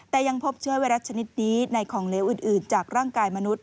แต่ยังพบเชื้อไวรัสชนิดนี้ในของเหลวอื่นจากร่างกายมนุษย